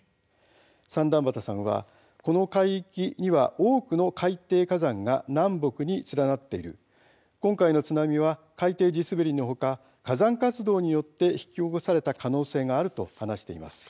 三反畑さんは「この海域には多くの海底火山が南北に連なっている今回の津波は海底地滑りの他火山活動によって引き起こされた可能性がある」と話しています。